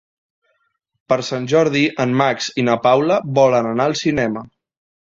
Per Sant Jordi en Max i na Paula volen anar al cinema.